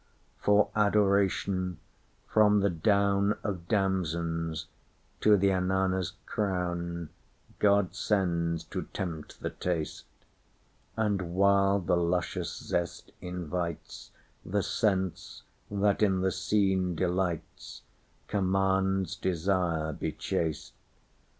For Adoration, from the downOf damsons to the anana's crown, God sends to tempt the taste; And while the luscious zest invitesThe sense, that in the scene delights, Commands desire be chaste.